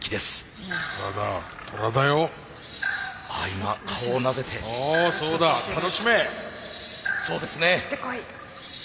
いってこい。